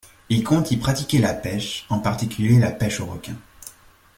Il compte y pratiquer la pêche, en particulier la pêche au requin.